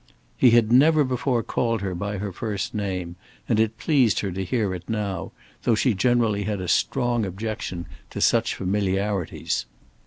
He had never before called her by her first name, and it pleased her to hear it now, though she generally had a strong objection to such familiarities.